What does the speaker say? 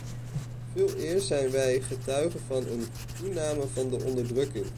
Veeleer zijn wij getuige van een toename van de onderdrukking.